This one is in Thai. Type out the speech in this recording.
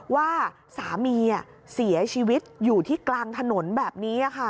ว่าสามีเสียชีวิตอยู่ที่กลางถนนแบบนี้ค่ะ